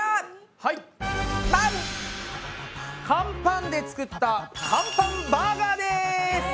乾パンで作った乾パンバーガーです！